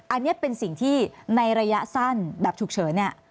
อันนี้เป็นสิ่งที่ในระยะสั้นแบบฉุกเฉินเนี่ย